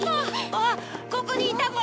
おっここにいたぞ！